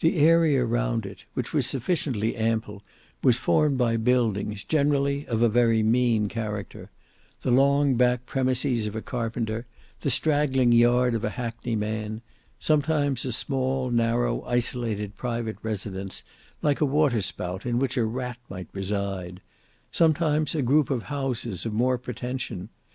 The area round it, which was sufficiently ample, was formed by buildings, generally of a very mean character: the long back premises of a carpenter, the straggling yard of a hackney man: sometimes a small, narrow isolated private residence, like a waterspout in which a rat might reside: sometimes a group of houses of more pretension.